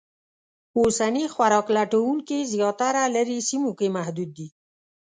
اوسني خوراک لټونکي زیاتره لرې سیمو کې محدود دي.